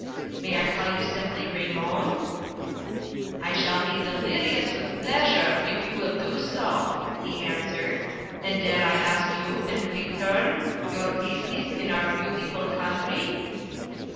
"And may I call you simply Raymon?" "I shall be delirious with pleasure if you will do so," he answered, "and dare I ask you, in return, your business in our beautiful country?"